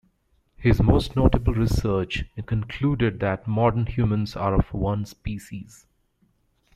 His most notable research concluded that modern humans are of one species.